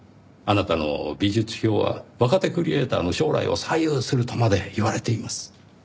あなたの美術評は若手クリエイターの将来を左右するとまで言われています。